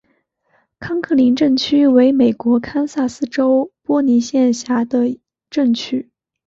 康克林镇区为美国堪萨斯州波尼县辖下的镇区。